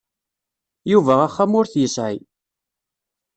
Yuba axxam ur t-yesεi.